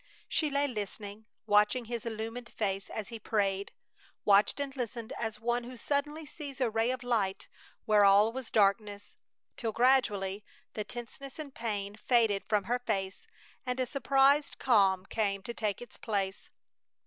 She lay listening, watching his illumined face as he prayed. Watched and listened as one who suddenly sees a ray of light where all was darkness; till gradually the tenseness and pain faded from her face and a surprised calm came to take its place.